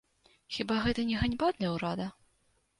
Хіба гэта не ганьба для ўрада?